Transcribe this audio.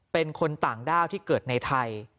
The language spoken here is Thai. เป็นคนต่างด้าวที่เกิดในไทย